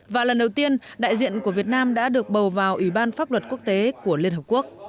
và lần đầu tiên đại diện của việt nam đã được bầu vào ủy ban pháp luật quốc tế của liên hợp quốc